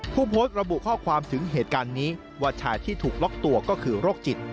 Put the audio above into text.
ผู้โพสต์ระบุข้อความถึงเหตุการณ์นี้ว่าชายที่ถูกล็อกตัวก็คือโรคจิต